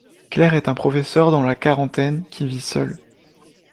Claire est un professeur dans la quarantaine qui vit seule.